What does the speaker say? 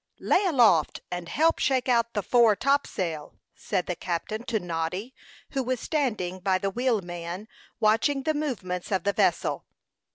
"Lay aloft, and help shake out the fore topsail," said the captain to Noddy, who was standing by the wheel man, watching the movements of the vessel.